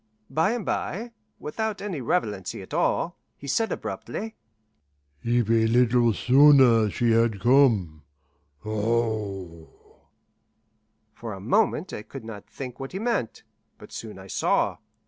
By and bye, without any relevancy at all, he said abruptly, "If a little sooner she had come aho!" For a moment I could not think what he meant; but soon I saw.